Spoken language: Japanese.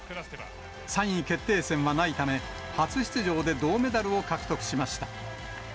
３位決定戦はないため、初出場で銅メダルを獲得しました。